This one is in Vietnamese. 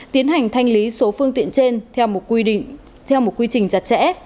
tiến hành thanh lý số phương tiện trên theo một quy trình chặt chẽ